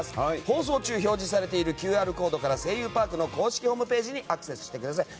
放送中表示されているＱＲコードから「声優パーク」の公式ホームページにアクセスしてください。